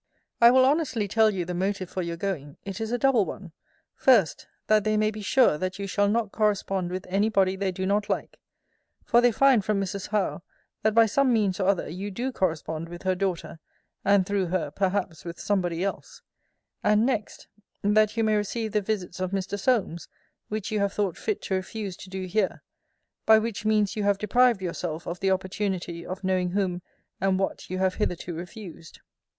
I will honestly tell you the motive for your going: it is a double one; first, That they may be sure, that you shall not correspond with any body they do not like (for they find from Mrs. Howe, that, by some means or other, you do correspond with her daughter; and, through her, perhaps with somebody else): and next, That you may receive the visits of Mr. Solmes; which you have thought fit to refuse to do here; by which means you have deprived yourself of the opportunity of knowing whom and what you have hitherto refused.